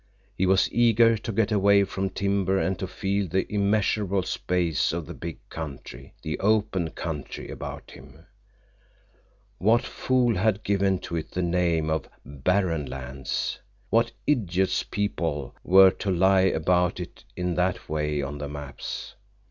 He was eager to get away from timber and to feel the immeasurable space of the big country, the open country, about him. What fool had given to it the name of Barren Lands? What idiots people were to lie about it in that way on the maps!